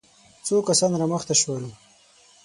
څو کسان را مخته شول.